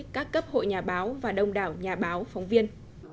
các cấp hội nhà báo và đông đảo nhà báo phóng viên